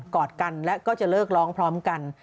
อดกันและก็จะเลิกร้องพร้อมกัน